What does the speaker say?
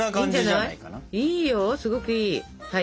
いいよすごくいい！